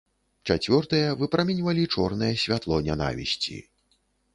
Чацвёртыя выпраменьвалі чорнае святло нянавісці.